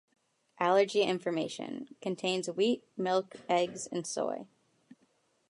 Allergy Information: Contains wheat, milk, eggs, and soy.